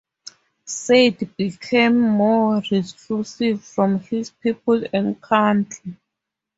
Said became more reclusive from his people and country.